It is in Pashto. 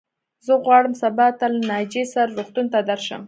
زه غواړم سبا ته له ناجيې سره روغتون ته درشم.